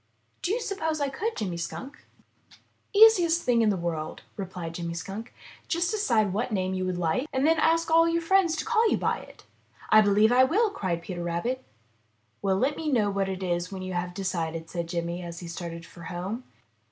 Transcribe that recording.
"Do you suppose I could, Jimmy Skunk?" 377 MY BOOK HOUSE ''Easiest thing in the world/* repHed Jimmy Skunk. ''Just decide what name you like and then ask all your friends to call you by it.'* "I believe I will! cried Peter Rabbit. "Well, let me know what it is when you have decided, said Jimmy, as he started for home.